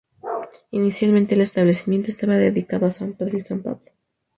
Inicialmente el establecimiento estaba dedicado a san Pedro y san Pablo.